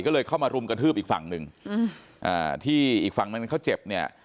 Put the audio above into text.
ก็เลยเข้ามารุมกระทืบอีกฝั่งหนึ่งอืมอ่าที่อีกฝั่งหนึ่งเขาเจ็บเนี่ย